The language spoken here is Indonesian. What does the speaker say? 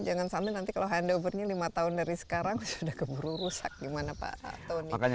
jangan sampai nanti kalau handovernya lima tahun dari sekarang sudah keburu rusak gimana pak tony